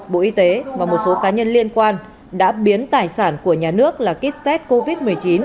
bộ y tế và một số cá nhân liên quan đã biến tài sản của nhà nước là kit test covid một mươi chín